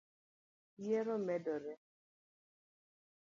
nyiero medore